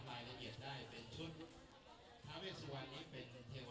ถ้าใครอยากเป็นเจ้าของของของแล้ว